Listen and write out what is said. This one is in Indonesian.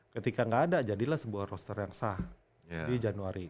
ketika nggak ada jadilah sebuah roster yang sah di januari